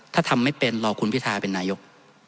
ถ้าทำไม่เป็นรอคุณพิทาเป็นนายก